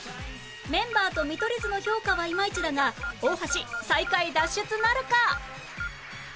メンバーと見取り図の評価はイマイチだが大橋最下位脱出なるか？